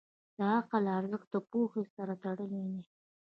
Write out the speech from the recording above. د عقل ارزښت د پوهې سره تړلی دی.